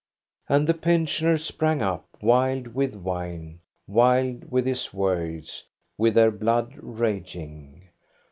And the pensioners sprang up, wild with wine, wild with his words, with their blood raging.